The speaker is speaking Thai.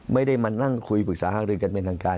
ไม่ได้มานั่งคุยปรึกษาหารือกันเป็นทางการ